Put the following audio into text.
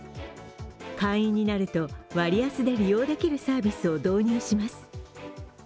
会員になると、割安で利用できるサービスを導入します。